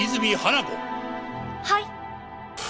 「はい」。